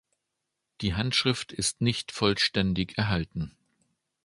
Die Handschrift ist nicht vollständig erhalten.